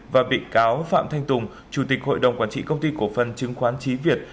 và bị cáo phạm thanh tùng chủ tịch hội đồng quản trị công ty cổ phần chứng khoán trí việt